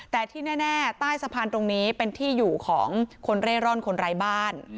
แต่ที่แน่ใต้สะพานตรงนี้เป็นที่อยู่ของคนเร่ร่อนคนไร้บ้าน